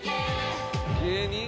芸人？